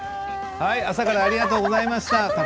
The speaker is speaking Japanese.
朝からありがとうございました。